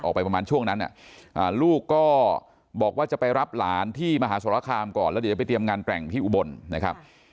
ประมาณช่วงนั้นลูกก็บอกว่าจะไปรับหลานที่มหาสรคามก่อนแล้วเดี๋ยวจะไปเตรียมงานแกร่งที่อุบลนะครับ